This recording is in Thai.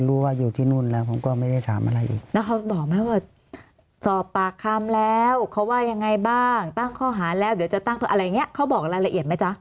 แล้วเขาบอกไหมว่าสอบปากคำแล้วเขาว่ายังไงบ้างตั้งข้อหารแล้วเดี๋ยวจะตั้งอะไรอย่างเนี้ยเขาบอกอะไรละเอียดไหมจ๊ะ